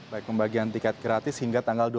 baik pembagian tiket gratis hingga tanggal dua puluh